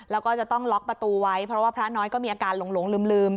แล้วก็จะต้องล็อกประตูไว้เพราะว่าพระน้อยก็มีอาการหลงลืม